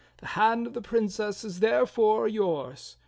The hand of the Princess is therefore yours.